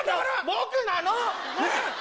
僕なの！